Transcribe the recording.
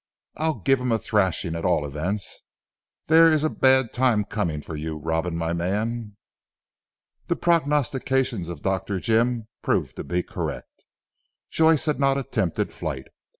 "I'll give him a thrashing at all events. There is a bad time coming for you Robin my man." The prognostications of Dr. Jim proved to be correct. Joyce had not attempted flight.